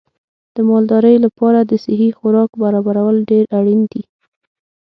د مالدارۍ لپاره د صحي خوراک برابرول ډېر اړین دي.